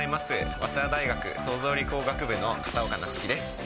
早稲田大学創造理工学部の片岡夏輝です。